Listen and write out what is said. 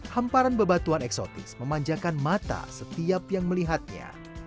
hamparan bebatuan eksotis memanjakan mata setiap yang melihatnya